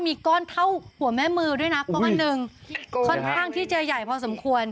มีก้อนเท่าหัวแม่มือด้วยนะก้อนหนึ่งค่อนข้างที่จะใหญ่พอสมควร